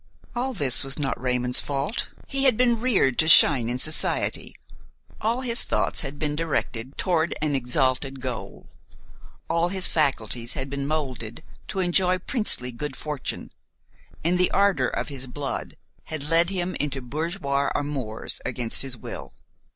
All this was not Raymon's fault; he had been reared to shine in society, all his thoughts had been directed toward an exalted goal, all his faculties had been moulded to enjoy princely good fortune, and the ardor of his blood had led him into bourgeois amours against his will.